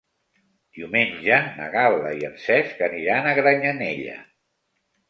Diumenge na Gal·la i en Cesc aniran a Granyanella.